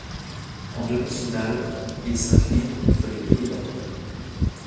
En demi-finale, ils s'inclinent contre les Pays-Bas.